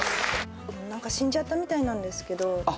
何か死んじゃったみたいなんですけど。